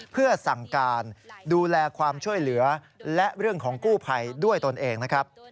เพื่อสั่งการดูแลความช่วยเหลือและเรื่องของกู้ภัยด้วยตนเองนะครับ